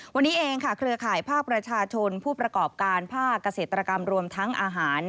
วันนี้เองเครือข่ายภาคประชาชนผู้ประกอบการภาคเกษตรกรรมรวมทั้งอาหาร